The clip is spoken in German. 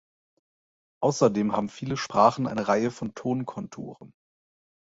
Außerdem haben viele Sprachen eine Reihe von Tonkonturen.